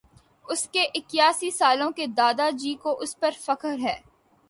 اُس کے اِکیاسی سالوں کے دادا جی کو اُس پر فخر ہے